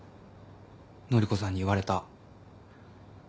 乃里子さんに言われた。